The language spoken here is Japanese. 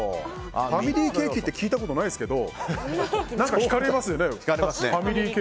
ファミリーケーキって聞いたことないですけど何か引かれますよね。